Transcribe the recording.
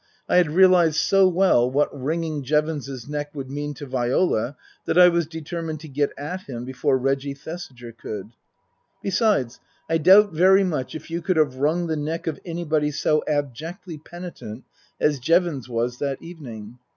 I had realized so well what wringing Jevons's neck would mean to Viola that I was determined to get at him before Reggie Thesiger could. Besides I doubt very much if you could have wrung the neck of anybody so abjectly penitent as Jevons was that evening.